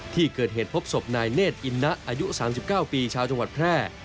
ที่เกิดเหตุพบศพนายเนธอินนะอายุ๓๙ปีชาวจังหวัดแพร่